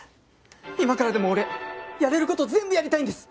今からでも俺やれる事全部やりたいんです！